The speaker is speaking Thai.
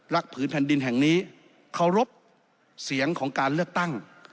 ผืนแผ่นดินแห่งนี้เคารพเสียงของการเลือกตั้ง